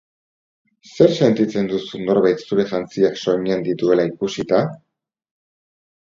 Zer sentitzen duzu norbait zure jantziak soinean dituela ikusita?